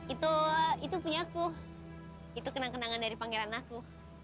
itu punya aku itu kenang kenangan dari pangeran aku